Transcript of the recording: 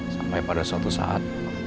sampai pada suatu saat